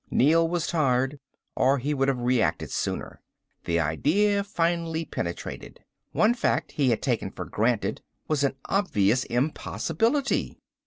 Neel was tired, or he would have reacted sooner. The idea finally penetrated. One fact he had taken for granted was an obvious impossibility.